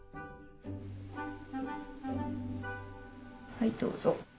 はいどうぞ。